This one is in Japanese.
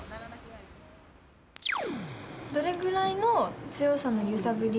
どのぐらいの強さの揺さぶり。